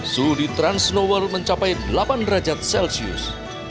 suhu di transnoworl mencapai delapan derajat celcius